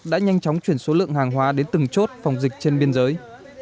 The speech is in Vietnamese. đã nhanh chóng chuyển số lượng hàng hóa đến từng chốt phòng dịch trên biên giới